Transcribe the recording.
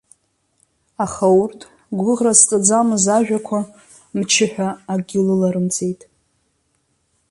Аха урҭ, гәыӷра зҵаӡамыз ажәақәа, мчы ҳәа акгьы лыларымҵеит.